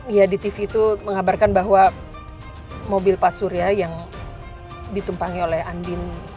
ya di tv tuh mengabarkan bahwa mobil pak surya yang ditumpangi oleh andin